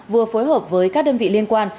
vừa phối hợp với các đơn vị liên quan